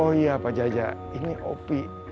oh iya pak jaja ini opi